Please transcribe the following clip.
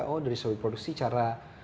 oh dari segi produksi cara